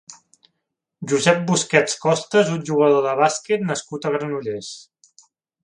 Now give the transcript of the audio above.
Josep Busquets Costa és un jugador de bàsquet nascut a Granollers.